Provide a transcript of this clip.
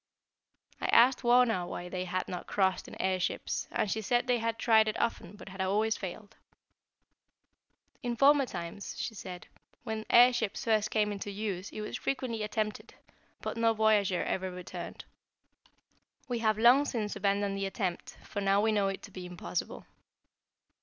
I asked Wauna why they had not crossed in air ships, and she said they had tried it often but had always failed. "In former times," she said, "when air ships first came into use it was frequently attempted, but no voyager ever returned. We have long since abandoned the attempt, for now we know it to be impossible."